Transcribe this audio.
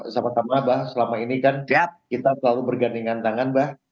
sama sama abah selama ini kan kita selalu bergandingan tangan bah